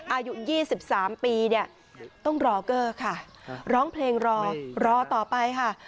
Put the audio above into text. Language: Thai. อายุ๒๓ปีเนี่ยต้องรอเกอร์ค่ะร้องเพลงรอรอต่อไปค่ะ